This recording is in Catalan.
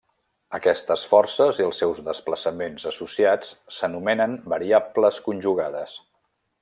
Aquestes forces i els seus desplaçaments associats s'anomenen variables conjugades.